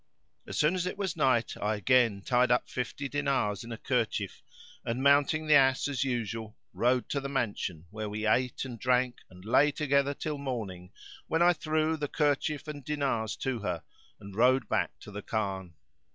As soon as it was night I again tied up fifty dinars in a kerchief and, mounting the ass as usual, rode to the mansion where we ate and drank and lay together till morning when I threw the kerchief and dinars to her[FN#542] and rode back to the Khan.